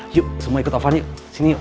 yuk semua ikut ovan yuk sini yuk